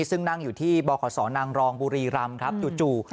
ซึ่งนั่งอยู่ที่บขสนางรองบุรีรำครับจู่